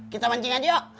kita mancing aja yuh